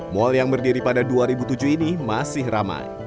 mal yang berdiri pada dua ribu tujuh ini masih ramai